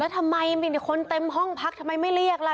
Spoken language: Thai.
ทำไมคนเต็มห้องพักทำไมไม่เรียกล่ะ